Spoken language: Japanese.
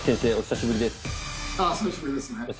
久しぶりですね。